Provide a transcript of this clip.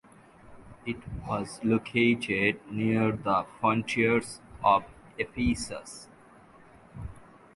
It was located near the frontiers of Ephesus.